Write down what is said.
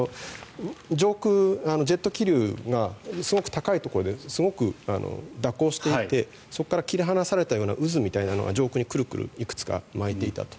上空、ジェット気流がすごく高いところですごく蛇行していてそこから切り離されたような渦みたいなのが上空にくるくるいくつか巻いていたと。